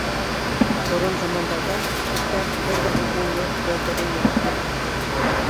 Борон замандарҙа Күркә бер ҙә үҙенең йорт-болдорон яратмаған.